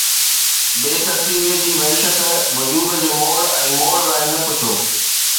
بي ترتيبيءَ جي وحشت، وجود جي موڙ ۽ موڙ لاءِ نه پڇو